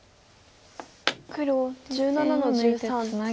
黒１７の十三ツギ。